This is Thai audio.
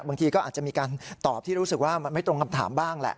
บางทีก็อาจจะมีการตอบที่รู้สึกว่ามันไม่ตรงคำถามบ้างแหละ